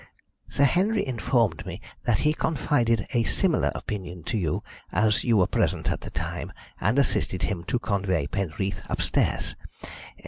Sir Henry informed me that he confided a similar opinion to you, as you were present at the time, and assisted him to convey Penreath upstairs.